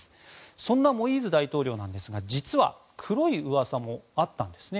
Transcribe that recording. そんなモイーズ大統領ですが実は黒いうわさもあったんですね。